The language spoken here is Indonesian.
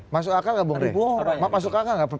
masuk akal gak bung masuk akal gak